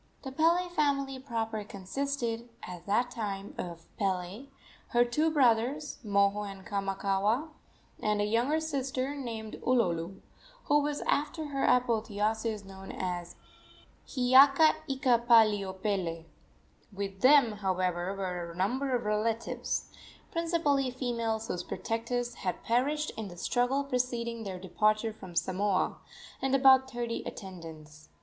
The Pele family proper consisted, at that time, of Pele, her two brothers, Moho and Kamakaua, and a younger sister named Ulolu, who was after her apotheosis known as Hiiaka ika pali opele. With them, however, were a number of relatives principally females, whose protectors had perished in the struggle preceding their departure from Samoa and about thirty attendants.